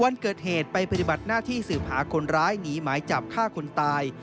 วันเกิดเหตุไปปฏิบัติหน้าที่สืบหาคนร้ายหนีหมายจับฆ่าคนตาย